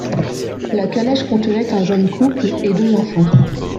La calèche contenait un jeune couple, et deux enfants.